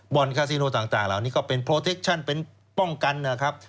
คาซิโนต่างเหล่านี้ก็เป็นโปรเทคชั่นเป็นป้องกันนะครับ